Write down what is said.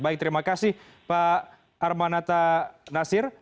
baik terima kasih pak armanata nasir